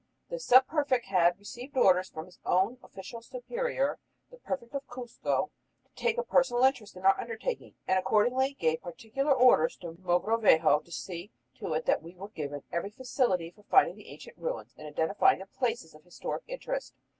The sub prefect had received orders from his own official superior, the prefect of Cuzco, to take a personal interest in our undertaking, and accordingly gave particular orders to Mogrovejo to see to it that we were given every facility for finding the ancient ruins and identifying the places of historic interest.